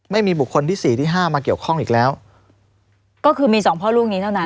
ไม่มีบุคคลที่สี่ที่ห้ามาเกี่ยวข้องอีกแล้วก็คือมีสองพ่อลูกนี้เท่านั้น